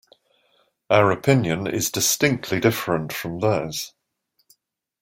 Our opinion is distinctly different from theirs.